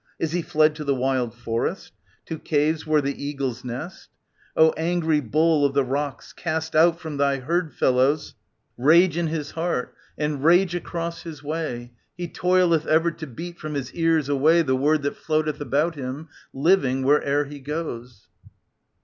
Is he fled to the wild forest. To caves where the eagles nest ? O angry bull of the rocks, cast out from thy herd fellows ' 27 SOPHOCLES W.479 S11 Rage in his heart, and rage across his way, He toileth ever to beat from his cars away The word that floatcth about him, living, where'er he goes.